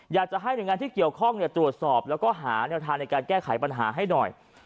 อยากจะให้หน่วยงานที่เกี่ยวข้องตรวจสอบแล้วก็หาแนวทางในการแก้ไขปัญหาให้หน่อย